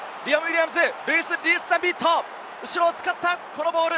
後ろを使ったこのボール！